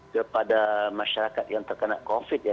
kepada masyarakat yang terkena covid ya